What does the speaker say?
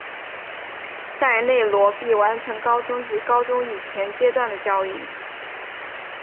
在内罗毕完成高中及高中以前阶段的教育。